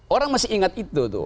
orang masih ingat itu